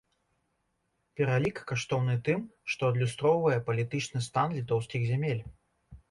Пералік каштоўны тым, што адлюстроўвае палітычны стан літоўскіх зямель.